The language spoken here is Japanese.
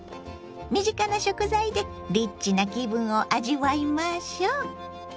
身近な食材でリッチな気分を味わいましょう。